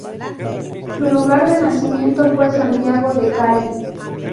Su lugar de nacimiento fue Santiago de Cali.